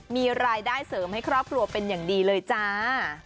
มีรายได้เสริมให้ครอบครัวเป็นอย่างดีเลยจ้า